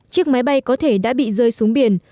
chiếc máy bay có thể đã bị rơi xuống biển